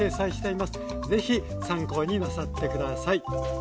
是非参考になさって下さい。